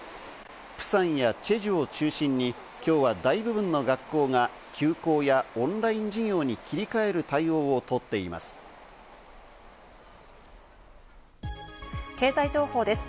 プサンやチェジュを中心に、今日は大部分の学校が休校やオンライン授業に切り替える対応を取っています。